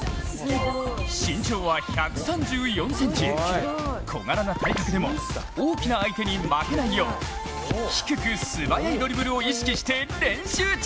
身長は１３４ｃｍ、小柄な体格でも大きな相手に負けないよう低く素早いドリブルを意識して練習中。